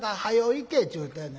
行けっちゅうてんねんな。